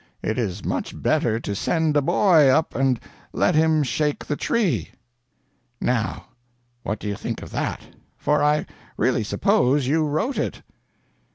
It is much better to send a boy up and let him shake the tree.' "Now, what do you think of that? for I really suppose you wrote it?"